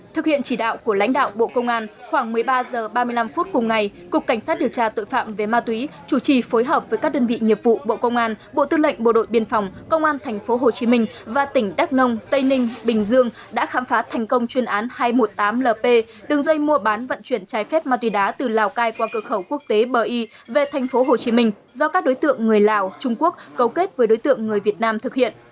thực hiện chỉ đạo của lãnh đạo bộ công an khoảng một mươi ba h ba mươi năm phút cùng ngày cục cảnh sát điều tra tội phạm về ma túy chủ trì phối hợp với các đơn vị nghiệp vụ bộ công an bộ tư lệnh bộ đội biên phòng công an tp hcm và tỉnh đắk nông tây ninh bình dương đã khám phá thành công chuyên án hai trăm một mươi tám lp đường dây mua bán vận chuyển trái phép ma túy đá từ lào cai qua cơ khẩu quốc tế bờ y về tp hcm do các đối tượng người lào trung quốc cấu kết với đối tượng người việt nam thực hiện